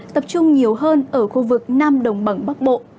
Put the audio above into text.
tập trung nhiều hơn ở khu vực nam đồng bằng bắc bộ